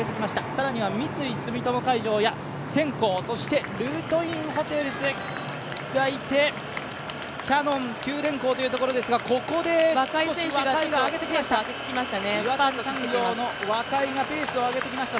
更には三井住友海上やセンコー、そしてルートインホテルズがいて、キヤノン、九電工というところで、ここで若井がペースを上げてきました。